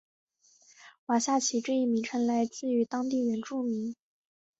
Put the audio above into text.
瓦萨奇这一名称来自于当地原住民。